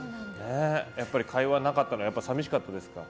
やっぱり、会話なかったの寂しかったですか？